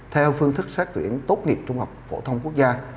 theo phương thức xét tuyển tốt nghiệp trung học phổ thông quốc gia